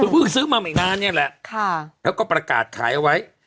เพิ่งซื้อมาไม่นานเนี่ยแหละแล้วก็ประกาศขายเอาไว้